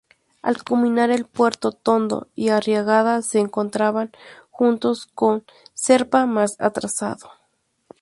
Al culminar el puerto Tondo y Arriagada se encontraban juntos, con Serpa más atrasado.